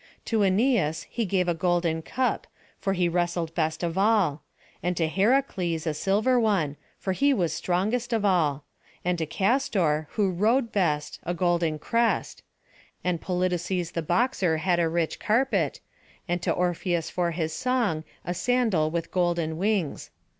To Ancæus he gave a golden cup, for he wrestled best of all; and to Heracles a silver one, for he was the strongest of all; and to Castor, who rode best, a golden crest; and Polydeuces the boxer had a rich carpet, and to Orpheus for his song, a sandal with golden wings.